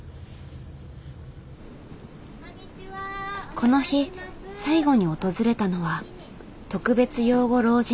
この日最後に訪れたのは特別養護老人ホーム。